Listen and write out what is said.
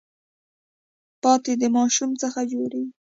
پاتی د ماشو څخه جوړیږي.